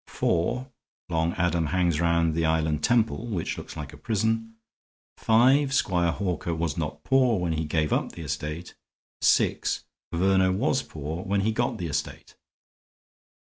(4) Long Adam hangs round the island temple, which looks like a prison. (5) Squire Hawker was not poor when he gave up the estate. (6) Verner was poor when he got the estate."